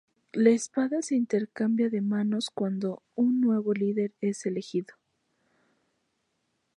La espada se intercambia de manos cuando un nuevo líder es elegido.